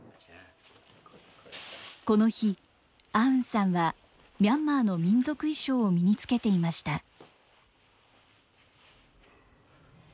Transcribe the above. この日、アウンさんはミャンマーの民族衣装を身につけていました。